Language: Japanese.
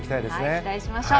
期待しましょう。